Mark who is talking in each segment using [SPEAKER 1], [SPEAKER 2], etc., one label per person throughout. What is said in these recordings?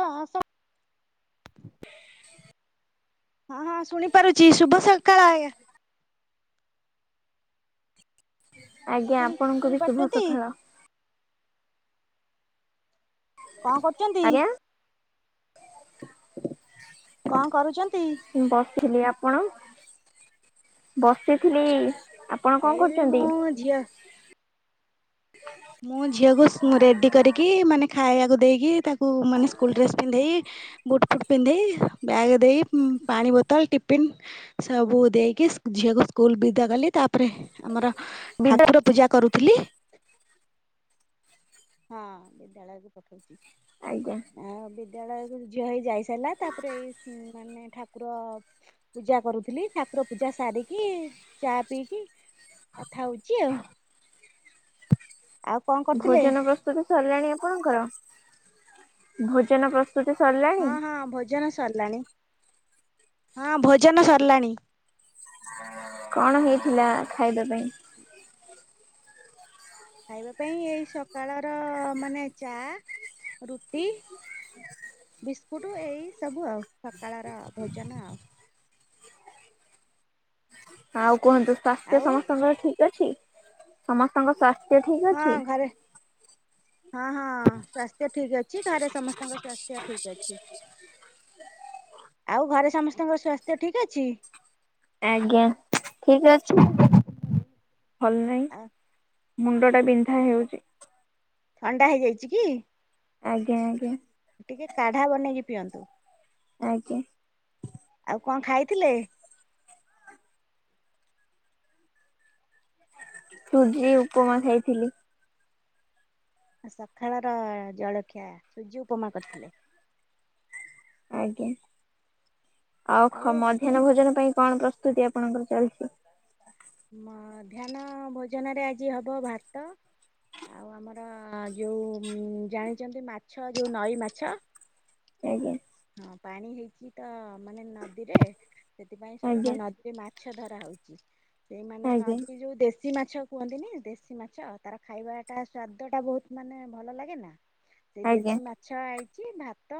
[SPEAKER 1] ତମ ସହ ହଁ- ହଁ ଶୁଣିପାରୁଛି ଶୁଭସକାଳ ଆଜ୍ଞା।
[SPEAKER 2] ଆଜ୍ଞା
[SPEAKER 1] ଶୁଣି
[SPEAKER 2] ଆପଣଙ୍କୁ
[SPEAKER 1] ଶୁଣି
[SPEAKER 2] ବି
[SPEAKER 1] ପାରୁଛନ୍ତି?
[SPEAKER 2] ଶୁଭସଖାଳ।
[SPEAKER 1] କଣ କରୁଛନ୍ତି?
[SPEAKER 2] ଆଜ୍ଞା
[SPEAKER 1] କଣ କରୁଛନ୍ତି?
[SPEAKER 2] ମୁଁ ବସିଥିଲି, ଆପଣ? ବସିଥିଲି ଆ
[SPEAKER 1] ହେଇ ମୁଁ ଝିଅ ମୁଁ ଝିଅକୁ ରେଡି କରିକି, ମାନେ ଖାଇବାକୁ ଦେଇକି ତାକୁ ମାନେ ସ୍କୁଲ ଡ୍ରେସ୍ ପିନ୍ଧେଇ ବୁଟ୍ ଫୁଟ୍ ପିନ୍ଧେଇ, ବ୍ୟାଗ ଦେଇ, ପାଣି ବୋତଲ, ଟିପିନ୍ ସବୁ ଦେଇକି ଝିଅକୁ ସ୍କୁଲ ବିଦା କଲି ତାପରେ ଆମର
[SPEAKER 2] ବିଦ୍ୟା
[SPEAKER 1] ଠାକୁର ପୂଜା କରୁଥିଲି। ହଁ ବିଦ୍ୟାଳୟକୁ ପଠଉଚି।
[SPEAKER 2] ଆଜ୍ଞା।
[SPEAKER 1] ଆଉ ବିଦ୍ୟାଳୟକୁ ଝିଅ ହେଇ ଯାଇ ସାରିଲା ତାପରେ ଏଇ ହୁଁ ମା ମାନେ ଠାକୁର ପୂଜା କରୁଥିଲି ଠାକୁର ପୂଜା ସାରିକି ଚା ପିଇକି କଥା ହଉଚି ଆଉ। ଆଉ କଣ କରୁଥିଲେ?
[SPEAKER 2] ଭୋଜନ ପ୍ରସ୍ତୁତି ସରିଲାଣି ଆପଣଙ୍କର? ଭୋଜନ ପ୍ରସ୍ତୁତି ସରଲା
[SPEAKER 1] ହଁ ହଁ ଭୋଜନ ସରଲାଣି ହଁ ଭୋଜନ ସରଲାଣି।
[SPEAKER 2] କଣ ହେଇଥିଲା ଖାଇବା ପାଇଁ?
[SPEAKER 1] ଖାଇବା ପାଇଁ ଏଇ ସକାଳର ଅ ଅ ମାନେ ଚା, ରୁଟି ବିସ୍କୁଟୁ ଏଇ ସବୁ ଆଉ ସକାଳର ଭୋଜନ ଆଉ।
[SPEAKER 2] ଆଉ କୁହନ୍ତୁ ସ୍ଵାସ୍ଥ୍ୟ
[SPEAKER 1] ଆଉ
[SPEAKER 2] ସମସ୍ତଙ୍କର ଠିକ୍ ଅଛି ସମସ୍ତଙ୍କ ସ୍ଵାସ୍ଥ୍ୟ ଠିକ୍
[SPEAKER 1] ହଁ
[SPEAKER 2] ଅଛି?
[SPEAKER 1] ଘରେ ହଁ ହଁ ସ୍ୱାସ୍ଥ୍ୟ ଠିକ୍ ଅଛି ଘରେ ସମସ୍ତଙ୍କ ସ୍ୱାସ୍ଥ୍ୟ ଠିକ୍ ଅଛି। ଆଉ ଘରେ ସମସ୍ତଙ୍କର ସ୍ୱାସ୍ଥ୍ୟ ଠିକ୍ ଅଛି?
[SPEAKER 2] ଆଜ୍ଞା ଠିକ୍ ଅଛି ଭଲ ନାଇଁ।
[SPEAKER 1] ଆଉ
[SPEAKER 2] ମୁଣ୍ଡଟା ବିନ୍ଧା ହେଉଚି।
[SPEAKER 1] ଥଣ୍ଡା ହେଇଯାଇଚି କି?
[SPEAKER 2] ଆଜ୍ଞା ଆଜ୍ଞା।
[SPEAKER 1] ଟିକେ କାଢ଼ା ବନେଇକି ପିଅନ୍ତୁ।
[SPEAKER 2] ଆଜ୍ଞା।
[SPEAKER 1] ଆଉ କଣ ଖାଇଥିଲେ?
[SPEAKER 2] ସୁଜି ଉପମା ଖାଇଥିଲି।
[SPEAKER 1] ହଁ ସଖାଳର ଜଳଖିଆ ସୁଜି ଉପମା କରିଥିଲେ?
[SPEAKER 2] ଆଜ୍ଞା ଆଉ ଖ ମଧ୍ୟାହ୍ନ ଭୋଜନ ପାଇଁ କଣ ପ୍ରସ୍ତୁତି ଆପଣଙ୍କର ଚାଲଚି?
[SPEAKER 1] ମଧ୍ୟାହ୍ନ ଭୋଜନରେ ଆଜି ହବ ଭାତ ଆଉ ଆମର ଯୋଉ ଉ ଉ ଉଁ ଜାଣିଚନ୍ତି ମାଛ ଯୋଉ ନଈ ମାଛ ହଁ
[SPEAKER 2] ଆଜ୍ଞା
[SPEAKER 1] ହଁ ପାଣି ହେଇଚି ତ ମାନେ ନଦୀରେ ସେଥିପାଇଁ ସବୁ ମା
[SPEAKER 2] ଆଜ୍ଞା
[SPEAKER 1] ନଦୀ ରେ ମାଛ ଧରା ହଉଚି ସେଇ ମାନେ
[SPEAKER 2] ଆଜ୍ଞା
[SPEAKER 1] ନଦୀ ଯୋଉ ଦେଶ୍ ଶୀ ମାଛ କୁହନ୍ତି ନି ଦେଶୀ ମାଛ ତାର ଖାଇବାଟା ସ୍ଵାଦଟା ବହୁତ ମାନେ ଭଲ ଲାଗେ ନା
[SPEAKER 2] [inaudible]
[SPEAKER 1] ସେଇ ଦେଶୀ ମା ଛ ଆଇଚି ଭାତ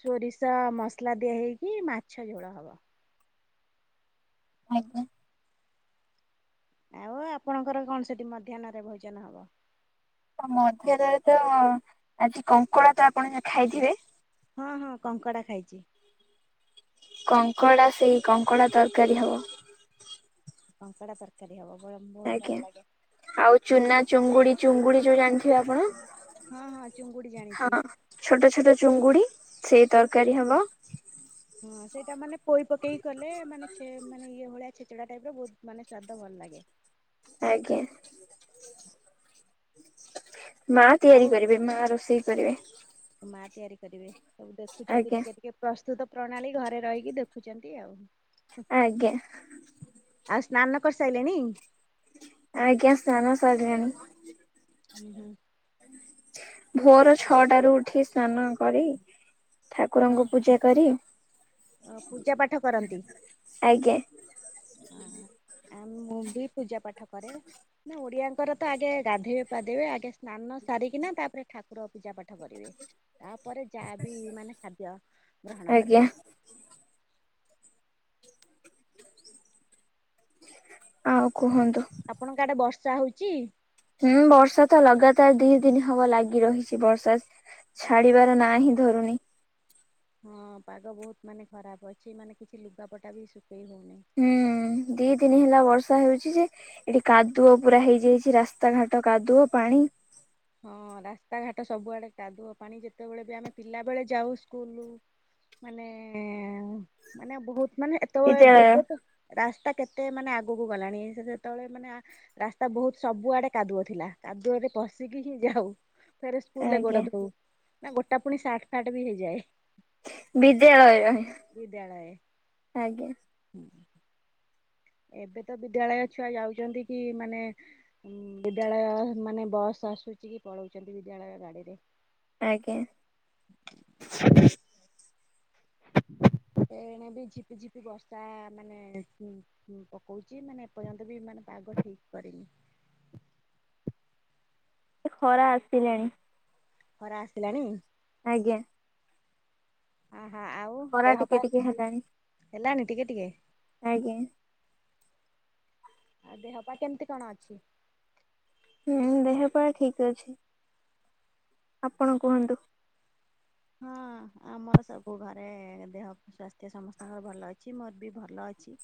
[SPEAKER 1] ସୋରିଷ ମସଲା ଦିଆ ହେଇକି ମାଛ ଝୋଳ ହବ।
[SPEAKER 2] ଆଜ୍ଞା।
[SPEAKER 1] ଆଉ ଆପଣଙ୍କର କଣ ସେଠି ମଧ୍ୟାହ୍ନରେ ଭୋଜନ ହବ?
[SPEAKER 2] ତ ମଧ୍ୟାହ୍ନ ରେ ତ ଅଁ ଆଜି କଙ୍କଡ଼ା ତ ଆପଣେ ଖାଇଥିବେ?
[SPEAKER 1] ହଁ ହଁ କଙ୍କଡ଼ା ଖାଇଚି।
[SPEAKER 2] କଙ୍କଡ଼ା ସେହି କଙ୍କଡ଼ା ତରକାରୀ ହବ।
[SPEAKER 1] କଙ୍କଡ଼ା ତରକାରୀ ହବ ବରମ୍ ବହୁତ
[SPEAKER 2] ଆଜ୍ଞା
[SPEAKER 1] ଭଲ ଲାଗେ।
[SPEAKER 2] ଆଉ ଚୁନା ଚୁଙ୍ଗୁଡ଼ି ଚୁଙ୍ଗୁଡ଼ି ଯୋଉ ଜାଣିଥିବେ ଆପଣ।
[SPEAKER 1] ହଁ ହଁ ଚୁଙ୍ଗୁଡ଼ି
[SPEAKER 2] ହଁ
[SPEAKER 1] ଜାଣିଚି।
[SPEAKER 2] ଛୋଟ ଛୋଟ ଚୁଙ୍ଗୁଡ଼ି
[SPEAKER 1] ହଁ ସେଇଟା ମାନେ ପୋଇ ପକେଇକି କଲେ ମାନେ ଛେମ୍ ମାନେ ଇ ଇଏ ଭଳିଆ ଛେଚେଡ଼ା ଟାଇପ୍ ର ବହୁତ ମାନେ ସ୍ଵାଦ ଭଲ ଲାଗେ।
[SPEAKER 2] ଆଜ୍ଞା। ମା ତିଆରି କରିବେ। ମା ରୋଷେଇ କରିବେ।
[SPEAKER 1] ତମ ମା ତିଆରି କରିବେ। ସବୁ ଦେଖୁଛନ୍ତି
[SPEAKER 2] ଆଜ୍ଞା
[SPEAKER 1] ଟିକେ ଟିକେ। ପ୍ରସ୍ତୁତ ପ୍ରଣାଳୀ ଘରେ ରହିକି ଦେଖୁଛନ୍ତି ଆଉ।
[SPEAKER 2] ଆଜ୍ଞା।
[SPEAKER 1] ଆଉ ସ୍ନାନ କରିସାରିଲେଣି?
[SPEAKER 2] ଆଜ୍ଞା, ସ୍ନାନ ସରିଲାଣି।
[SPEAKER 1] ଉଁ, ହୁଁ।
[SPEAKER 2] ଭୋର ଛଅଟା ରୁ ଉଠି ସ୍ନାନ କରି ଠାକୁରଙ୍କୁ ପୂଜା କରି
[SPEAKER 1] ଅ ପୂଜା ପାଠ କରନ୍ତି?
[SPEAKER 2] ଆଜ୍ଞା। [unintelligible]
[SPEAKER 1] ଆ ମୁଁ ବି ପୂଜା ପାଠ କରେ। ନା, ଓଡ଼ିଆଙ୍କର ତ ଆଗେ ଗାଧଇବେ ପାଧଇବେ ଆଗେ ସ୍ନାନ ସାରିକିନା ତାପରେ ଠାକୁର ପୂଜା ପାଠ କରିବେ। ତାପରେ ଯାହା ବିି ମାନେ ଖାଦ୍ୟ ଗ୍ରହଣ
[SPEAKER 2] ଆଜ୍ଞା
[SPEAKER 1] କରିବେ।
[SPEAKER 2] ଆଉ କୁହନ୍ତୁ?
[SPEAKER 1] ଆପଣଙ୍କ ଆଡେ ବର୍ଷା ହଉଚି?
[SPEAKER 2] ହୁଁ, ବର୍ଷା ତ ଲଗାତାର ଦି ଦିନ ହବ ଲାଗି ରହିଛି। ବର୍ଷା ଛାଡିବାର ନା ହିିଁ ଧରୁନି।
[SPEAKER 1] ହଁ, ପାଗ ବହୁତ ମାନେ ଖରାପ ଅଛି। ମାନେ କିଛି ଲୁଗାପଟା ବି ଶୁଖେଇ ହଉନି।
[SPEAKER 2] ହୁଁ ଦି ଦିନି ହେଲା ବର୍ଷା ହଉଚି ଯେ ଏଠି କାଦୁଅ ପୁରା ହେଇଯାଇଚି ରାସ୍ତା ଘାଟ କାଦୁଅ ପାଣି।
[SPEAKER 1] ହଁ ରାସ୍ତାଘାଟ ସବୁଆଡେ କାଦୁଅ ପାଣି। ଯେତେବେଳେ ବି ଆମେ ପିଲାବେଳେ ଯାଉ ସ୍କୁଲୁ ମାନେ ମାନେ ବହୁତ ମାନେ ଏତବେଳେ
[SPEAKER 2] ବିଦ୍ୟାଳୟ
[SPEAKER 1] ଏବେ ତ ରାସ୍ତା କେତେ ମାନେ ଆଗକୁ ଗଲାଣି। ସେ ଯେତେବେଳେ ମାନେ ରାସ୍ତା ବହୁତ ସବୁଆଡେ କାଦୁଅ ଥିଲା। କାଦୁଅରେ ପ ସିକି କି ଯାଉ। ଫେରେ ସ୍କୁୁଲ ରେ
[SPEAKER 2] ଆଜ୍ଞା
[SPEAKER 1] ଗୋଡ଼ ଧଉ ନା ଗୋଟା ପୁଣି ସାର୍ଟ ଫାଟ ବି ହେଇଯାଏ।
[SPEAKER 2] ବିଦ୍ୟାଳୟ
[SPEAKER 1] ବିଦ୍ଯାଳଏ।
[SPEAKER 2] ଆଜ୍ଞା
[SPEAKER 1] ହୁଁ। ଏବେ ତ ବିଦ୍ୟାଳୟ ଛୁଆ ଯାଉଛନ୍ତି କି ମାନେ ବିଦ୍ୟାଳୟ ମାନେ ବସ୍ ଆସୁଛି କି ପଳଉଛନ୍ତି ବିଦ୍ୟାଳୟ ଗାଡିରେ।
[SPEAKER 2] ଆଜ୍ଞା।
[SPEAKER 1] ଏଣେ ବି ଝିପି ଝିପି ବର୍ଷା ମାନେ ହୁଁ, ପକଉଚି। ମାନେ ଏପର୍ଯ୍ୟନ୍ତ ବି ମାନେ ପାଗ ଠିକ କରିନି।
[SPEAKER 2] ଖରା ଆସିଲାଣି।
[SPEAKER 1] ଖରା ଆସିଲାଣି?
[SPEAKER 2] ଆଜ୍ଞା।
[SPEAKER 1] ଆହାଃ। ଆଉ
[SPEAKER 2] ଖରା
[SPEAKER 1] ଦେହ
[SPEAKER 2] ଟିକେ
[SPEAKER 1] ପା
[SPEAKER 2] ଟିକେ ହେଲାଣି
[SPEAKER 1] ହେଲାଣିି ଟିକେ ଟିକେ?
[SPEAKER 2] ଆଜ୍ଞା।
[SPEAKER 1] ଆଉ ଦେହ ପା କେମିତି କଣ ଅଛି?
[SPEAKER 2] ହୁଁ, ଦେହ ପା ଠିକ୍ ଅଛି। ଆପଣ କୁହନ୍ତୁ?
[SPEAKER 1] ହଁ ଆମର ସବୁ ଘରେ ଦେହ ସ୍ୱାସ୍ଥ୍ୟ ସମସ୍ତଙ୍କର ଭଲ ଅଛି। ମୋର ବି ଭଲ ଅଛି।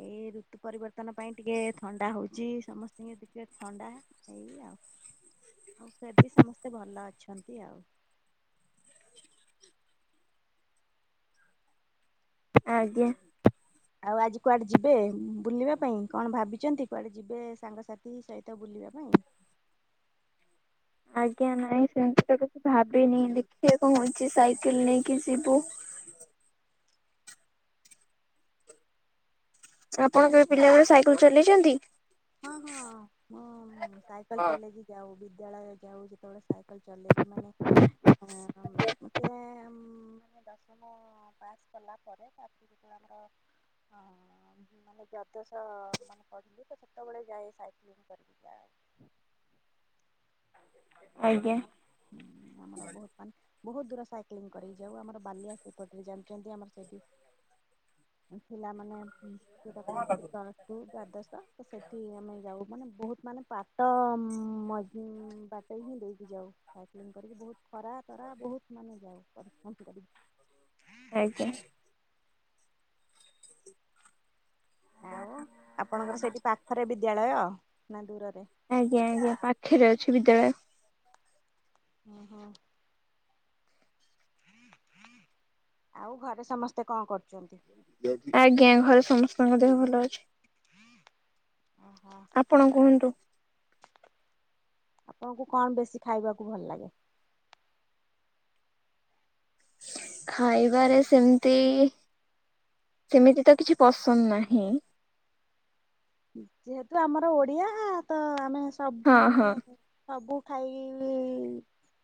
[SPEAKER 1] ଏଇ ଋତୁ ପରିବର୍ତ୍ତନ ପାଇଁ ଟିକେ ଥଣ୍ଡା ହଉଛି। ସମସ୍ତଙ୍କୁ ଟିକେ ଥଣ୍ଡା ଏଇ ଆଉ ଓ ଫିର ବି ସମସ୍ତେ ଭଲ ଅଛନ୍ତି ଆଉ।
[SPEAKER 2] ଆଜ୍ଞା।
[SPEAKER 1] ଆଉ ଆଜି କୁଆଡେ ଯିବେ ବୁଲିବା ପାଇଁ କଣ ଭାବିଛନ୍ତି କୁଆଡେ ଯିବେ ସାଙ୍ଗସାଥି ସହିତ ବୁଲିବା ପାଇଁ।
[SPEAKER 2] ଆଜ୍ଞା ନାଇଁ ସେମତି ତ କିଛି ଭାବିନି ଦେଖେ କଣ ହଉଛି ସାଇକେଲ ନେଇକି ଯିବୁ। ଚ ଆପଣ
[SPEAKER 1] ପାଇଁ?
[SPEAKER 2] କେବେ ପିଲାବେଳେ ସାଇକେଲ ଚଲେଇଛନ୍ତି?
[SPEAKER 1] ହଁ ହଁ ମୁଁ ସାଇକେଲ
[SPEAKER 2] ଆଜ୍ଞା
[SPEAKER 1] ଚଲେଇଛି। ଯାଉ ବିଦ୍ୟାଳୟ ଯାଉ ସେତେବେଳେ ସାଇକେଲ ଚଲେଇକି ମାନେ ହଁ ହମ [unintelligible] ମାନେ ଦଶମ ପାସ କଲା ପରେ ଆ ସେଟା ଆମର ମାନେ ଦ୍ୱାଦଶ ମାନେ ପଢିଲି ତ ସେତେବେଳେ ସେତବେଳେ ଯାଏ ସାାଇକ୍ଲିଙ୍ଗ କରିକି ଯାଏ।
[SPEAKER 2] ଆଜ୍ଞା।
[SPEAKER 1] ହୁଁ ଆମର ବହୁତ ମାନ ବହୁତ ଦୂର ସାଇକ୍ଲିଂ କରିକି ଯାଉ ଆମର ବାଲିଆ ସେପଟରେ ଜାଣିଛନ୍ତି ଆମର ସେଇଠି ପିଲା ମାନେ ସେଟା କୁହନ୍ତି କି [unintelligible] ତୁ ଦ୍ଵାଦଶ ତ ସେଠି ଆମେ ଯାଉ ମାନେ ବହୁତ ମାନେ ପାଟ ମ ବାଟ ହିଁ ଦେଇକି ଯାଉ ସାଇକ୍ଲିଙ୍ଗ କରିକି ବହୁତ ଖରାପ ଖରା ବହୁତ ମାନେ ଯାଉ ପରିଶ୍ରମ କରି।
[SPEAKER 2] ଆଜ୍ଞା।
[SPEAKER 1] ଆଉ ଆପଣଙ୍କର ସେଠି ପାଖରେ ବିଦ୍ୟାଳୟ ନା ଦୂରରେ?
[SPEAKER 2] ଆଜ୍ଞା ଆଜ୍ଞା ପାଖରେ ଅଛି ବିଦ୍ୟାଳୟ।
[SPEAKER 1] ଓହୋ। ଆଉ ଘରେ ସମସ୍ତେ କଣ କରୁଛନ୍ତି?
[SPEAKER 2] ଆଜ୍ଞା ଘରେ ସମସ୍ତଙ୍କ ଦେହ ଭଲ ଅଛି।
[SPEAKER 1] ଓହୋ!
[SPEAKER 2] ଆପଣ କୁହନ୍ତୁ।
[SPEAKER 1] ଆପଣଙ୍କୁ କଣ ବେଶୀ ଖାଇବାକୁ ଭଲ ଲାଗେ?
[SPEAKER 2] ଖାଇବାରେ ସେମିତି ସେମିତି ତ କିଛି ପସନ୍ଦ ନାହିଁ।
[SPEAKER 1] ଯେହେତୁ ଆମର ଓଡିଆ ତ ଆମେ ସବୁ
[SPEAKER 2] ହଁ
[SPEAKER 1] ମାନେ
[SPEAKER 2] ହଁ
[SPEAKER 1] ସବୁ ଖାଇ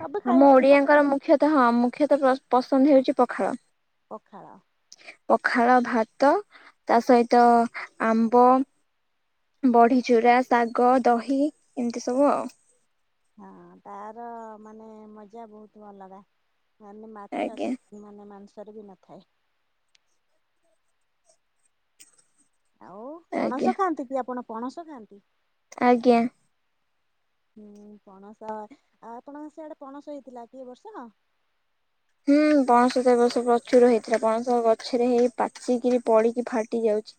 [SPEAKER 1] ସବୁ
[SPEAKER 2] ଆମ
[SPEAKER 1] ଖାଇପାରୁ
[SPEAKER 2] ଓଡ଼ିଆଙ୍କର
[SPEAKER 1] ସବୁଥିରେ
[SPEAKER 2] ମୁଖ୍ୟତଃ ହଁ ମୁଖ୍ୟତଃ ପ ପସନ୍ଦ ହେଉଛି ପଖାଳ।
[SPEAKER 1] ପଖାଳ।
[SPEAKER 2] ପଖାଳ ଭାତ ତା ସହିତ ଆମ୍ବ ବଢି ଚୁରା, ଶାଗ, ଦହି ଏମିତି ସବୁ ଆଉ।
[SPEAKER 1] ହଁ ତାର ମାନେ ମଜା ବହୁତ ଅଲଗା ମାନେ ମାଛ
[SPEAKER 2] ଆଜ୍ଞା।
[SPEAKER 1] ଚି ମାନେ ମାଂସରେ ବି ନଥାଏ। ଆଉ
[SPEAKER 2] ଆଜ୍ଞା
[SPEAKER 1] ପଣସ ଖାଆନ୍ତି କି ଆପଣ ପଣସ ଖାଆନ୍ତି?
[SPEAKER 2] ଆଜ୍ଞା।
[SPEAKER 1] ହୁଁ ପଣସ ଆଉ ଆପଣଙ୍କ ସିଆଡେ ପଣସ ହେଇଥିଲା କି ଏବର୍ଷ?
[SPEAKER 2] ହୁଁ ପଣଶ ତ ଏ ବର୍ଷ ପ୍ରଚୁର ହେଇଥିଲା ପଣସ ଗଛରେ ହେଇ ପାଚିକିରି ପଡିକି ଫାଟି ଯାଉଛି।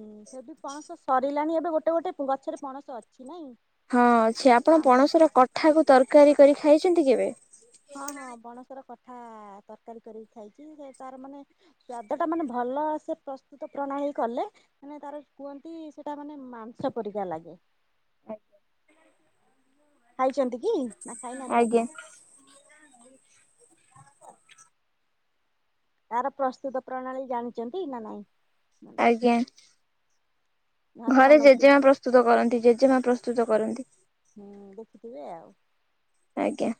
[SPEAKER 1] ହୁଁ ଏଠି ପଣସ ସରିଲାଣି ଏବେ ଗୋଟେ ଗୋଟେ ଗଛରେ ପଣସ ଅଛି ନାଇଁ?
[SPEAKER 2] ହଁ ଅଛି ଆପଣ
[SPEAKER 1] ଆମ
[SPEAKER 2] ପଣସ ର କଠାକୁ ତରକାରୀ କରି ଖାଇଛନ୍ତି କେବେ?
[SPEAKER 1] ହଁ ହଁ ପଣସ ର କଠା ତରକାରୀ କରିକି ଖାଇଛି ସେ ତାର ମାନେ ସ୍ୱାଦଟା ମାନେ ଭଲସେ ପ୍ରସ୍ତୁତ ପ୍ରଣାଳି କଲେ ମାନେ ତାର କୁହନ୍ତି ସେଟା ମାନେ ମାଂସ ପରିକା ଲାଗେ। ଖାଇଛନ୍ତି କି ନା ଖାଇନାହାନ୍ତି
[SPEAKER 2] ଆଜ୍ଞା
[SPEAKER 1] ଆପଣ? ତାର ପ୍ରସ୍ତୁତ ପ୍ରଣାଳୀ ଜାଣିଛନ୍ତି ନା ନାଇଁ।
[SPEAKER 2] ଆଜ୍ଞା, ଘରେ ଜେଜେମା ପ୍ରସ୍ତୁତ କରନ୍ତି ଜେଜେମା ପ୍ରସ୍ତୁତ କରନ୍ତି।
[SPEAKER 1] ହୁଁ ଦେଖିଥିବେ ଆଉ।
[SPEAKER 2] ଆଜ୍ଞା,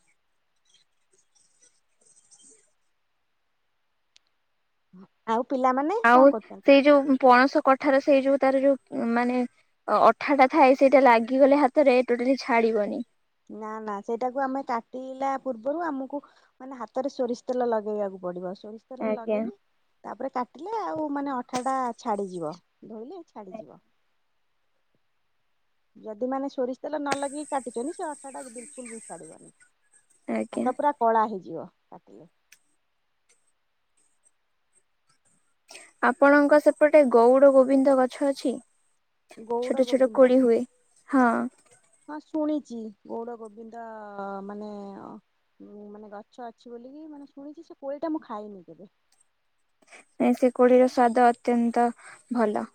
[SPEAKER 1] ଆଉ ପିଲାମାନେ କଣ
[SPEAKER 2] ଆଉ
[SPEAKER 1] କରୁଛନ୍ତି।
[SPEAKER 2] ସେଇ ଯୋଉ ପଣସ କଠାର ସେଇ ଯୋଉ ତାର ଯୋଉ ମାନେ ଅ ଅଠାଟା ଥାଏ ସେଇଟା ଲାଗିଗଲେ ହାତରେ ଟୋଟାଲି ଛାଡିବନି।
[SPEAKER 1] ନା ନା ସେଇଟାକୁ ଆମେ କାଟିଲା ପୂର୍ବରୁ ଆମକୁ ମାନେ ହାତରେ ସୋରିଷ ତେଲ ଲଗେଇବାକୁ ପଡିବ ସୋରିଷ ତେଲ
[SPEAKER 2] ଆଜ୍ଞା।
[SPEAKER 1] ଲଗେଇକି ତାପରେ କାଟିଲେ ଆଉ ମାନେ ଅଠା ଟା ଛାଡିଯିବ ଧୋଇଲେ ଛାଡିଯିବ। ଯଦି ମାନେ ସୋରିଷ ତେଲ ନ ଲଗେଇକି କାଟୁଛନ୍ତି ସେ ଅଠାଟା ବିଲକୁଲ ବି ଛାଡ଼ିବନି।
[SPEAKER 2] ଆଜ୍ଞା
[SPEAKER 1] ହାତ ପୁରା କଳା ହେଇଯିବ କାଟିଲେ।
[SPEAKER 2] ଆପଣଙ୍କ ସେପଟେ ଗଉଡ ଗୋବିନ୍ଦ ଗଛ ଅଛି।
[SPEAKER 1] ଗଉଡ
[SPEAKER 2] ଛୋଟ ଛୋଟ
[SPEAKER 1] ଗୋବିନ୍ଦ।
[SPEAKER 2] କୋଳି ହୁଏ। ହଁ,
[SPEAKER 1] ହଁ ଶୁଣିଛି ଗୌର ଗୋବିନ୍ଦ ମାନେ ଉଁ ମାନେ ଗଛ ଅଛି ବୋଲିକି ମାନେ ଶୁଣିଛି ସେ କୋଳି ଟା ମୁଁ ଖାଇନି କେବେ?
[SPEAKER 2] ନାଁ ସେ କୋଳି ର ସ୍ଵାଦ ଅତ୍ୟନ୍ତ ଭଲ।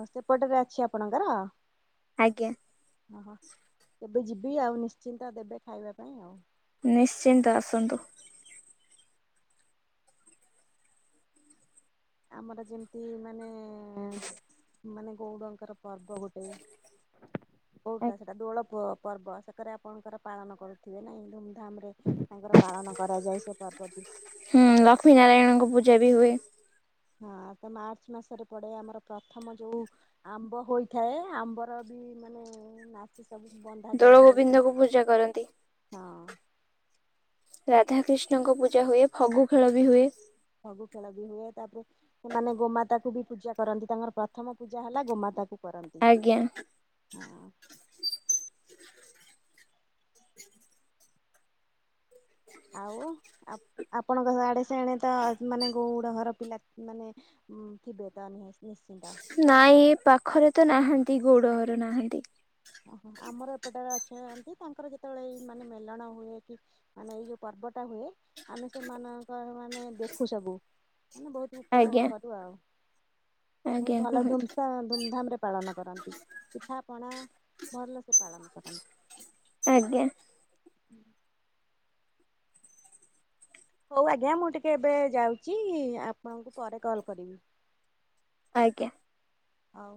[SPEAKER 1] ହଁ ସେପଟରେ ଅଛି ଆପଣଙ୍କର।
[SPEAKER 2] ଆଜ୍ଞା,
[SPEAKER 1] ହ ହଁ କେବେ ଯିବି ଆଉ ନିଶ୍ଚିନ୍ତ ଦେବେ ଖାଇବା ପାଇଁ ଆଉ।
[SPEAKER 2] ନିଶ୍ଚିନ୍ତ ଆସନ୍ତୁ।
[SPEAKER 1] ଆମର ଯେମିତି ମାନେ ମାନେ ଗଉଡ଼ଙ୍କର ପର୍ବ ଗୋଟେ କୋଉଟଟା
[SPEAKER 2] ଆଜ୍ଞା।
[SPEAKER 1] ସେଟା ଦୋଳ ପୁଅ ପର୍ବ ସେକରେ ଆପଣଙ୍କର ପାଳନ କରୁଥିବେ ନାହିଁ ଧୁମ ଧାମରେ। ତାଙ୍କର ପାଳନ କରାଯାଏ। ସେ ପର୍ବଟି।
[SPEAKER 2] ହୁଁ ଲକ୍ଷ୍ମୀ ନାରାୟଣଙ୍କ ପୂଜା ବି ହୁଏ।
[SPEAKER 1] ହଁ ତ ମାର୍ଚ୍ଚ ମାସରେ ପଡେ। ଆମର ପ୍ରଥମ ଯୋଉ ଆମ୍ବ ହୋଇଥାଏ। ଆମ୍ବର ବି ମାନେ ନାଚ ସବୁ ବନ୍ଦ
[SPEAKER 2] ଦୋଳ ଗୋବିନ୍ଦଙ୍କୁ ପୂଜା କରନ୍ତି।
[SPEAKER 1] ହଁ।
[SPEAKER 2] ରାଧାକ୍ରିଷ୍ଣଙ୍କ ପୂଜା ହୁଏ ଫଗୁ ଖେଳ ବି ହୁଏ
[SPEAKER 1] ଫଗୁ ଖେଳ ବି ହୁଏ। ତାପରେ ସେମାନେ ଗୋମାତାକୁ ବି ପୂଜା କରନ୍ତି। ତାଙ୍କର ପ୍ରଥମ ପୂଜା ହେଲା ଗୋମାତାକୁ। କରନ୍ତି।
[SPEAKER 2] ଆଜ୍ଞା।
[SPEAKER 1] ହଁ,
[SPEAKER 2] ହ [inaudible]
[SPEAKER 1] ଆଉ ଆପଣଙ୍କ ଆଡ଼େ ସିଆଡେ ତ ମାନେ ଗୌଡ଼ ଘର ପିଲାମାନେ ହଁ ଥିବେ ତା ନି ନିଶ୍ଚିନ୍ତ।
[SPEAKER 2] ନାଇଁ ଏ ପାଖରେ ତ ନାହାନ୍ତି ଗୌଡ଼ ଘର ନାହାନ୍ତି।
[SPEAKER 1] ଓହୋ ଆମର ଏପଟେ ଅଛନ୍ତି। ତାଙ୍କର ଯେତେବେଳେ ଏଇ ମାନେ ମେଲଣ ହୁଏ କି ମାନେ। ଏଇ ଯୋଉ ପର୍ବଟା ହୁଏ। ଆମେ ସେମାନଙ୍କର ମାନେ ଦେଖୁ ସବୁ ମାନେ ବହୁତ
[SPEAKER 2] ଆଜ୍ଞା
[SPEAKER 1] ଉପଭୋଗ କରୁ ଆଉ। ବହୁତ
[SPEAKER 2] ଆଜ୍ଞା
[SPEAKER 1] ଭଲ
[SPEAKER 2] କୁହନ୍ତୁ
[SPEAKER 1] ଧମ ଧୁମଧାମରେ ପାଳନ କରନ୍ତି ପିଠାପଣା। ଭଲସେ ପାଳନ କରନ୍ତି।
[SPEAKER 2] ଆଜ୍ଞା।
[SPEAKER 1] ହଉ ଆଜ୍ଞା ମୁଁ ଟିକେ ଏବେ ଯାଉଛି ଆପଣଙ୍କୁ ପରେ କଲ୍ କରିବି।
[SPEAKER 2] ଆଜ୍ଞା।
[SPEAKER 1] ହଉ